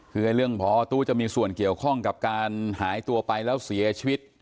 คือเรื่องพอตู้จะมีส่วนเกี่ยวข้องกับการหายตัวไปแล้วเสียชีวิต